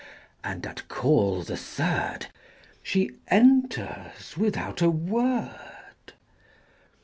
'' and at call the third She enters without a word.